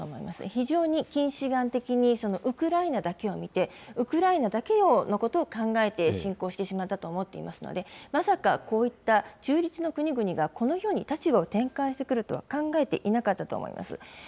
非常に的にウクライナだけを見て、ウクライナだけのことを見て侵攻してしまったと思っていますので、まさかこういった中立の国々が、このように立場を転換してくるとは考えていなかったと思います。